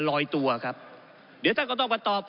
ก็ได้มีการอภิปรายในภาคของท่านประธานที่กรกครับ